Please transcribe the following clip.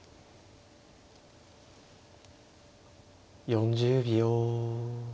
４０秒。